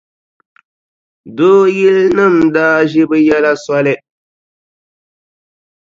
Dooyilinima daa ʒi bɛ yɛla soli.